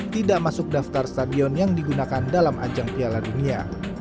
tidak masuk daftar stadion yang digunakan dalam ajang piala dunia